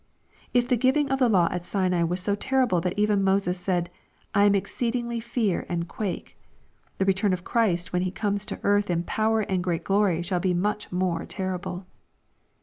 If the giving of the law at Sinai was so terrible that even Moses said, " I exceedingly fear and quake," the return of Christ when He comes to earth in power and great glory shall be much more terrible.